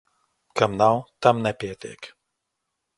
Kam nav, tam nepietiek.